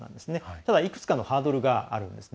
ただ、いくつかのハードルがあるんですね。